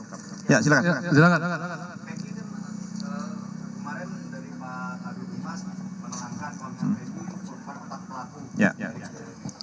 pak kemarin dari pak agung imas menelankan pemerintah psb merupakan otak pelaku